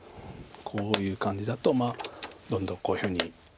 こういう感じだとまあどんどんこういうふうに。